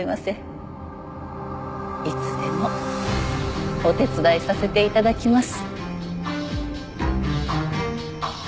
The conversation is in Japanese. いつでもお手伝いさせていただきます。